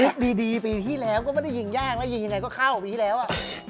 คดีดีปีที่แล้วก็ไม่ได้ยิงยากแล้วยิงยังไงก็เข้าปีที่แล้วอ่ะ